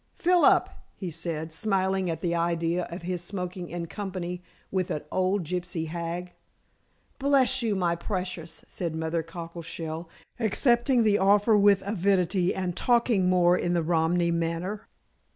"Fill up," he said, smiling at the idea of his smoking in company with an old gypsy hag. "Bless you, my precious!" said Mother Cockleshell, accepting the offer with avidity, and talking more in the Romany manner.